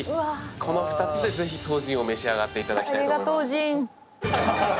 この２つでぜひトウジンを召し上がっていただきたいと。